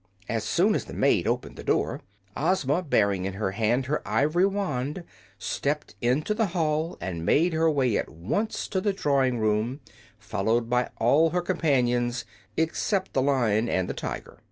As soon as the maid opened the door Ozma, bearing in her hand her ivory wand, stepped into the hall and made her way at once to the drawing room, followed by all her company, except the Lion and the Tiger.